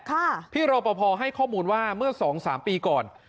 ค่ะพี่รปให้ข้อมูลว่าเมื่อ๒๓ปีก่อน